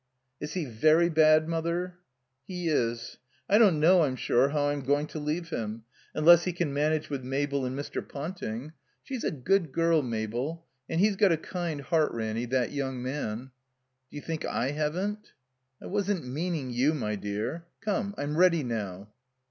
Is he very bad. Mother?" He is. I don't know, I'm sure, how I'm going to leave him; unless he can manage with Mabel and Mr. Ponting. She's a good girl, Mabel. And he's got a kind heart, Ranny, that young man." D'you think I haven't?" I wasn't meaning you, my dear. Come, I'm ready now."